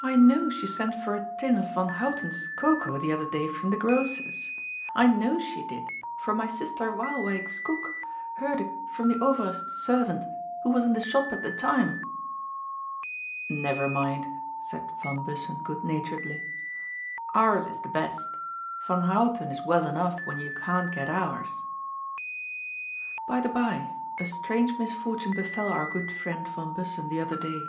I know she sent for a tin of Van Houten's cocoa the other day from the grocer's. I know she did, for my sister Waalwyk's cook heard it from the Over est's servant, who was in the shop at the time." " If ever mind," said Van Bussen good naturedly. *' Ours is the best. Van Houten is well enough when you can't get ours." By the bye, a strange misfortune befell our good friend Van Bussen the other day.